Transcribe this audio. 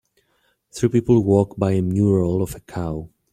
Three people walk by a mural of a cow.